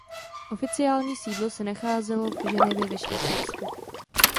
Oficiální sídlo se nacházelo v Ženevě ve Švýcarsku.